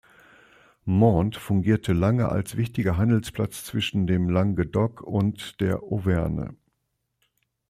Mende fungierte lange als wichtiger Handelsplatz zwischen dem Languedoc und der Auvergne.